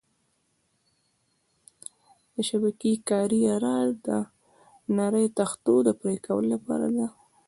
د شبکې کارۍ اره د ظریفو او نریو تختو پرېکولو لپاره ده.